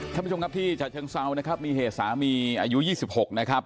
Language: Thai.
ท่านผู้ชมครับที่ฉะเชิงเซานะครับมีเหตุสามีอายุ๒๖นะครับ